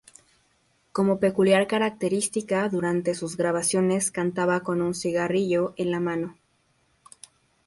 Como peculiar característica durante sus presentaciones cantaba con un cigarrillo en la mano.